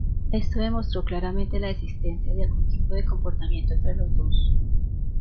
Esto demostró claramente la existencia de algún tipo de compartimiento entre los dos.